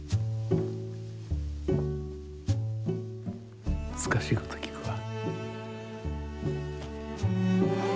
むずかしいこときくわ。